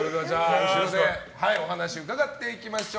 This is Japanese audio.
お話を伺っていきましょう。